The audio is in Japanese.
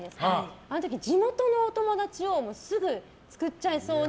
ああいう時、地元のお友達をすぐ作っちゃいそうな